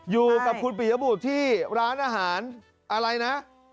อยู่กับคุณปิยบุตรที่ร้านอาหารอะไรนะ